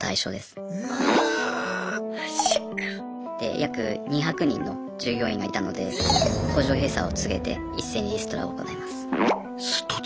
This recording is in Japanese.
約２００人の従業員がいたので工場閉鎖を告げて一斉にリストラを行います。